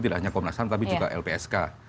tidak hanya komnas ham tapi juga lpsk